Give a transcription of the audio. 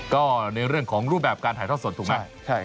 ก็ในเรื่องของรูปแบบการถ่ายทอดสดถูกไหม